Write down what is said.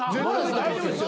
大丈夫ですよ。